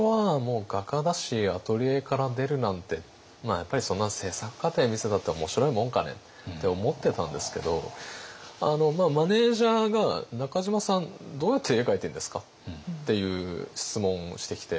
やっぱり「そんな制作過程見せたって面白いもんかね？」って思ってたんですけどマネージャーが「中島さんどうやって絵描いているんですか？」っていう質問をしてきて。